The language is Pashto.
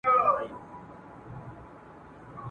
زه هم نه پرېږدم رمې ستا د پسونو ..